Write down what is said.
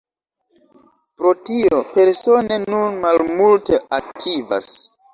Pro tio Persone nun malmulte aktivas.